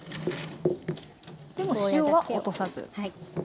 でも塩は落とさず。